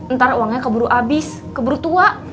ntar uangnya keburu abis keburu tua